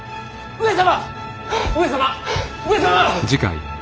上様！